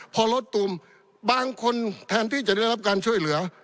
พอรถตุ่มบางคนแทนที่จะได้รับการช่วยเหลือ